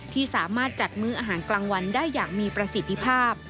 ที่สามารถจัดมื้ออาหารกลางวันได้อย่างมีประสิทธิภาพ